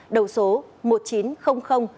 đầu số một triệu chín trăm linh nghìn một trăm hai mươi ba